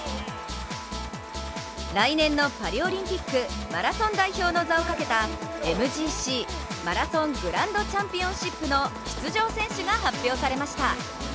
来年のパリオリンピックマラソン代表の座をかけたＭＧＣ＝マラソングランドチャンピオンシップの出場選手が発表されました。